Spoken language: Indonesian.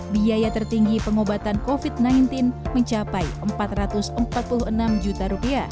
biaya tertinggi pengobatan covid sembilan belas mencapai rp empat ratus empat puluh enam juta